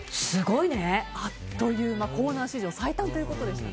あっという間コーナー史上最短ということでした。